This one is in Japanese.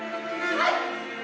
はい！